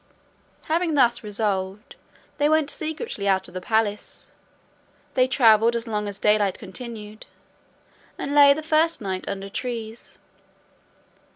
Having thus resolved, they went secretly out of the palace. They travelled as long as day light continued; and lay the first night under trees.